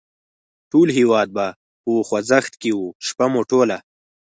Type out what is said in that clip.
ټول هېواد په خوځښت کې و، شپه مو ټوله.